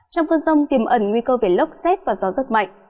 trong cơn rông tiềm ẩn nguy cơ về lốc xét và gió rất mạnh